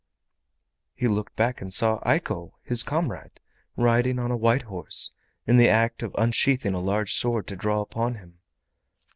He looked back and saw Eiko his comrade, riding on a white horse, in the act of unsheathing a large sword to draw upon him.